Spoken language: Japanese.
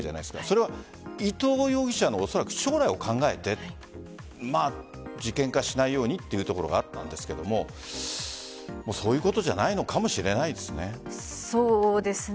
それは伊藤容疑者の将来を考えて事件化しないようにというところがあるんですけれどもそういうことじゃないのかもそうですね。